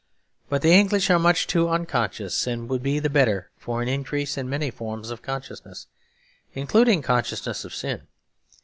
But the English are much too unconscious; and would be the better for an increase in many forms of consciousness, including consciousness of sin.